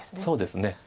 そうですね。